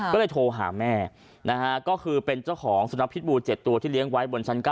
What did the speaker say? ก็เลยโทรหาแม่นะฮะก็คือเป็นเจ้าของสนับพิษบูรณ์เจ็ดตัวที่เลี้ยงไว้